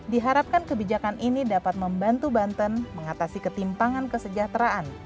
diharapkan kebijakan ini dapat membantu banten mengatasi ketimpangan kesejahteraan